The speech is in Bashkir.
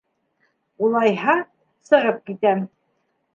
Улайһа, сығып китәм.